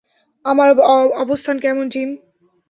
আমার অবস্থান কেমন, জিম?